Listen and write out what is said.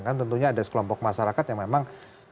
kan tentunya ada sekelompok masyarakat yang memang